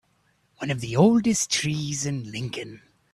One of the oldest trees in Lincoln.